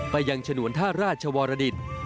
ไปยังฉนวนท่าราชวรดิต